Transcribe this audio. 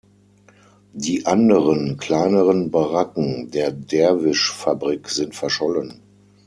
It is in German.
Die anderen, kleineren Baracken der Derwisch-Fabrik sind verschollen.